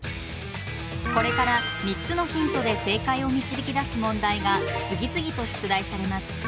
これから３つのヒントで正解を導き出す問題が次々と出題されます。